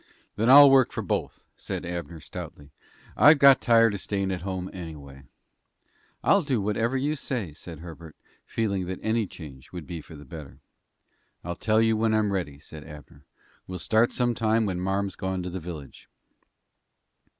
"Then I'll work for both," said Abner, stoutly. "I've got tired of stayin' at home, anyway." "I'll do whatever you say," said Herbert, feeling that any change would be for the better. "I'll tell you when I'm ready," said Abner. "We'll start some time when marm's gone to the village."